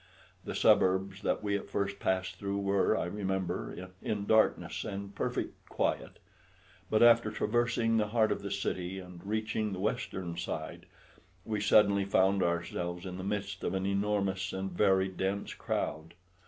The suburbs that we at first passed through were, I remember, in darkness and perfect quiet; but after traversing the heart of the city and reaching the western side, we suddenly found ourselves in the midst of an enormous and very dense crowd.